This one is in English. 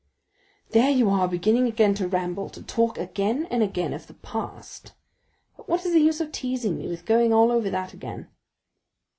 "There you are beginning again to ramble, to talk again and again of the past! But what is the use of teasing me with going all over that again?"